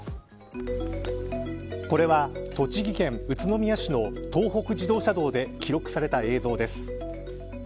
これは、栃木県宇都宮市の東北自動車道で記録された映像です。